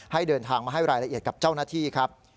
เดินทางมาให้รายละเอียดกับเจ้าหน้าที่ครับ